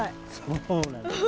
そうなんです。